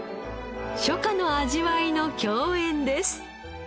初夏の味わいの共演です。